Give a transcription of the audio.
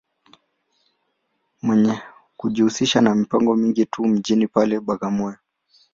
Mwenye kujihusisha ma mipango mingi tu mjini pale, Bagamoyo.